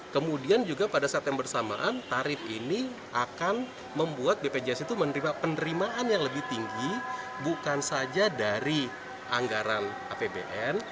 kemudian juga pada saat yang bersamaan tarif ini akan membuat bpjs itu menerima penerimaan yang lebih tinggi bukan saja dari anggaran apbn